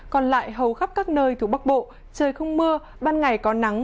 còn lại hầu khắp các nơi thuộc bắc bộ trời không mưa ban ngày có nắng